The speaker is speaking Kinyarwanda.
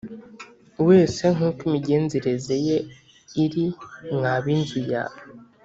wese nk uko imigenzereze ye iri mwa b inzu ya